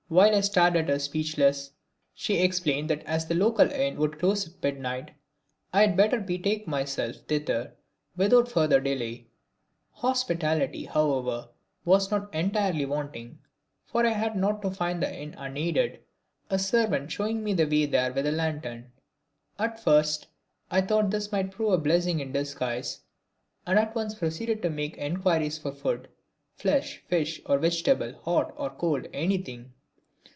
While I stared at her, speechless, she explained that as the local inn would close at midnight I had better betake myself thither without further delay. Hospitality, however, was not entirely wanting for I had not to find the inn unaided, a servant showing me the way there with a lantern. At first I thought this might prove a blessing in disguise, and at once proceeded to make inquiries for food: flesh, fish or vegetable, hot or cold, anything!